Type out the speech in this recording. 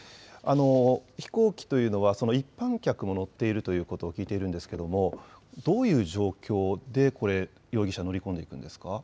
飛行機というのは一般客も乗っていると聞いているんですが、どういう状況で容疑者は乗り込んでいくんですか。